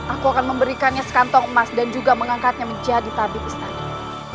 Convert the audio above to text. aku akan memberikannya sekantong emas dan juga mengangkatnya menjadi tabip istana